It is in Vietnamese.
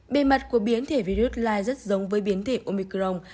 bề mặt của biến thể virus lai rất giống với biến thể omicron